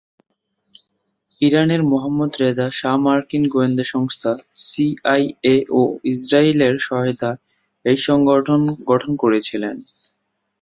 ইরানের Mohammad Reza Shah মার্কিন গোয়েন্দা সংস্থা সিআইএ ও ইসরায়েলের সহায়তায় এই সংগঠন গঠন করেছিলেন।